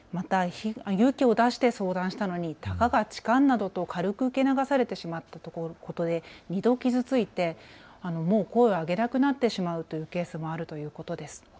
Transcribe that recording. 勇気を出して相談したのにたかが痴漢などと軽く受け流されてしまったということで２度傷ついてもう声を上げなくなってしまうっていうケースもあるということです。